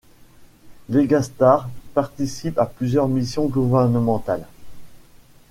Legalstart participe à plusieurs missions gouvernementales.